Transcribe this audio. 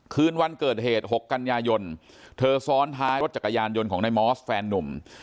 คืนวันเกิดเหตุ๖กันยายนเธอซ้อนท้ายรถจักรยานยนต์ของนายมอสแฟนนุ่ม